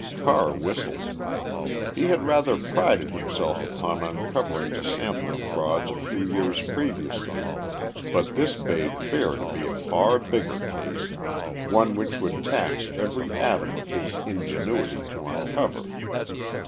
Carr whistled. He had rather prided himself upon uncovering the sampling frauds a few years previously, but this bade fair to be a far bigger case one which would tax every atom of his ingenuity to uncover.